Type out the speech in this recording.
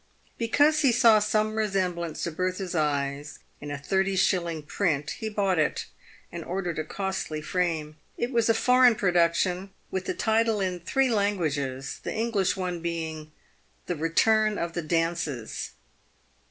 Because he saw some re semblance to Bertha's eyes in a thirty shilling print, he bought it, and ordered a costly frame. It was a foreign production, with the title in three languages, the English one being " The Beturn of the Dances."